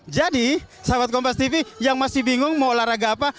jadi sahabat kompas tv yang masih bingung mau olahraga apa